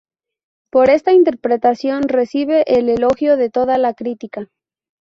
Por esta interpretación recibe el elogio de toda la crítica.